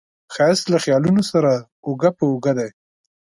ښایست له خیالونو سره اوږه په اوږه دی